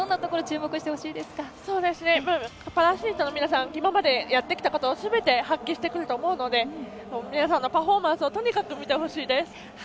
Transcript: パラアスリートの皆さん今までやってきたことをすべて発揮してくれると思うので皆さんのパフォーマンスをとにかく見てほしいです。